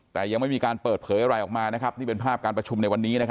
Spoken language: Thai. แต่ยังไม่มีการเปิดเผยอะไรออกมานี่เป็นภาพการประชุมในวันนี้